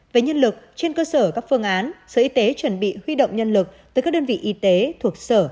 về nhân lực trên cơ sở các phương án sở y tế chuẩn bị huy động nhân lực tới các đơn vị y tế thuộc sở